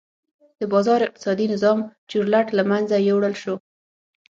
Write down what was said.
د بازار اقتصادي نظام چورلټ له منځه یووړل شو.